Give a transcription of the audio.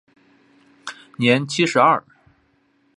年七十二。